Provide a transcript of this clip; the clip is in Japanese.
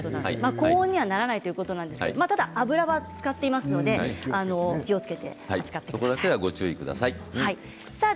高温にはならないということですが油を使っていますのでそこだけはご注意ください。